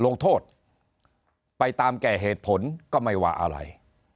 ลงโทษไปตามแก่เหตุผลก็ไม่ว่าอะไร